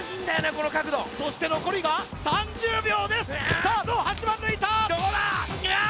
この角度そして残りが３０秒ですさあどう８番抜いたどうだああ